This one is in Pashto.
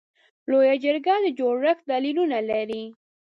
لویه جرګه د جوړښت دلیلونه لري.